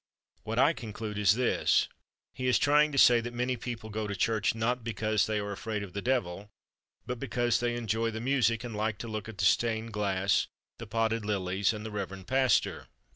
What I conclude is this: he is trying to say that many people go to church, not because they are afraid of the devil but because they enjoy the music, and like to look at the stained glass, the potted lilies and the rev. pastor.